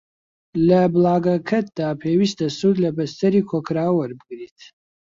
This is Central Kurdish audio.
لە بڵاگەکەتدا پێویستە سوود لە بەستەری کۆکراوە وەربگریت